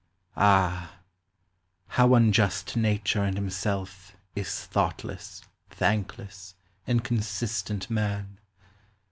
Ah ! how unjust to Nature and himself, Is thoughtless, thankless, inconsistent man